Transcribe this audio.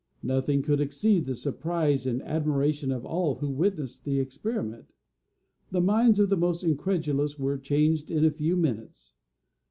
Nothing could exceed the surprise and admiration of all who witnessed the experiment. The minds of the most incredulous were, changed in a few minutes.